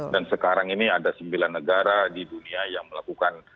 dan sekarang ini ada sembilan negara di dunia yang melakukan